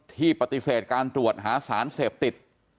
ที่ปฏิเสธการตรวจหาสารเสพติด